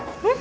ya ampun ma